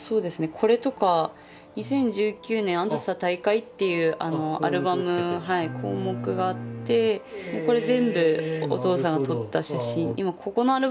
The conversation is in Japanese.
これとか「２０１９年あずさ大会」っていうアルバム項目があってこれ全部お父さんが撮った写真